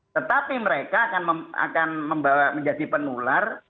tetapi mereka akan membawa menjadi penular